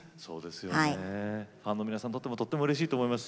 ファンの皆さんにとってもとってもうれしいと思います。